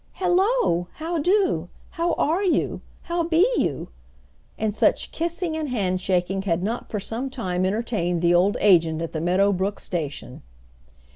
"Hello! How do? How are you? How be you?" and such kissing and handshaking had not for some time entertained the old agent at the Meadow Brook station.